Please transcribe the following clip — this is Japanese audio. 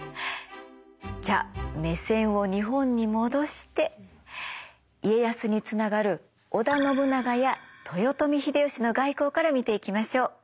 じゃあ目線を日本に戻して家康につながる織田信長や豊臣秀吉の外交から見ていきましょう。